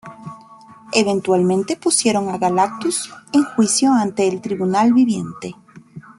Eventualmente pusieron a Galactus en juicio ante el Tribunal Viviente.